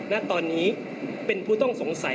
ณตอนนี้เป็นผู้ต้องสงสัย